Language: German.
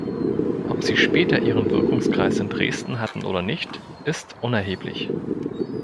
Ob sie später ihren Wirkungskreis in Dresden hatten oder nicht, ist unerheblich.